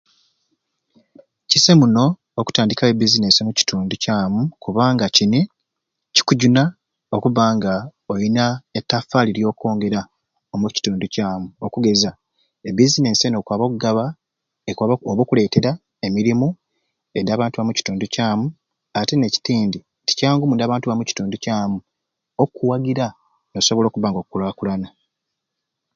Kisa muno okutandikawo e bizinesi omukitundu kyamu kubanga kini kikujuna okubba nga olina ettafaali lyokwongera omukitundu kyamu, okugeza e bizinesi eni ekwaba okugaba ekwaba oba okuleeta emirimu edi abantu omukitundu kyamu ate n'ekiti ndi kyangu abantu omukitundu kyamu okuwagira nosobola okubanga okkulaakulana